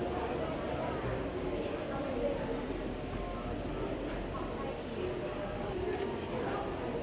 สวัสดีครับสวัสดีครับ